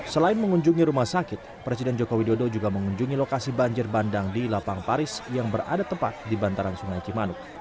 selain mengunjungi rumah sakit presiden joko widodo juga mengunjungi lokasi banjir bandang di lapang paris yang berada tepat di bantaran sungai cimanuk